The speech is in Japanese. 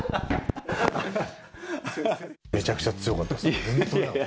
めちゃくちゃ強かったですよ。